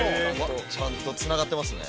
ちゃんと繋がってますね。